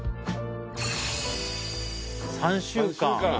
３週間。